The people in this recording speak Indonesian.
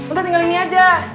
udah tinggal ini aja